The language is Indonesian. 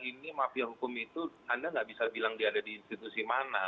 ini mafia hukum itu anda nggak bisa bilang dia ada di institusi mana